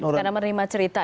orang karena menerima cerita